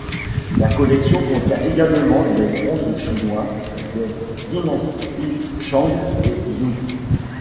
La collection contient également des bronzes chinois des dynasties Shang et Zhou.